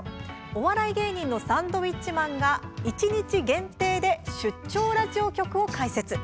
お笑い芸人のサンドウィッチマンが一日限定で出張ラジオ局を開設。